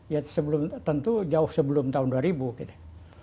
ya tentu jauh sebelum tahun dua ribu gitu